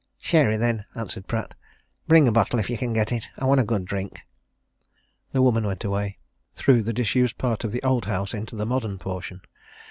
"Sherry, then," answered Pratt. "Bring a bottle if you can get it I want a good drink." The woman went away through the disused part of the old house into the modern portion.